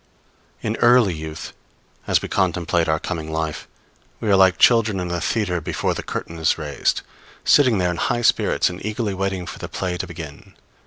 In early youth, as we contemplate our coming life, we are like children in a theatre before the curtain is raised, sitting there in high spirits and eagerly waiting for the play to begin.